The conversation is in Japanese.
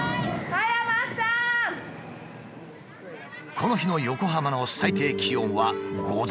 この日の横浜の最低気温は５度。